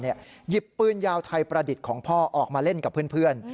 หยิบปืนยาวไทยประดิษฐ์ของพ่อออกมาเล่นกับเพื่อน